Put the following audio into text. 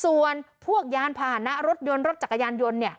ส่วนพวกยานพาหนะรถยนต์รถจักรยานยนต์เนี่ย